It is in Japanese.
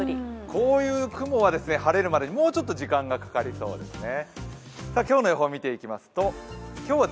こういう雲は晴れるまでにもうちょっと時間がかかりそうですね。